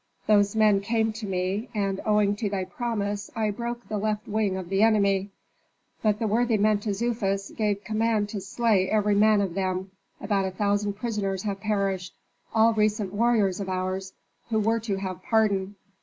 Those men came to me, and owing to thy promise I broke the left wing of the enemy. But the worthy Mentezufis gave command to slay every man of them. About a thousand prisoners have perished all recent warriors of ours, who were to have pardon."